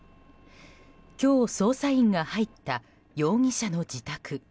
今日、捜査員が入った容疑者の自宅。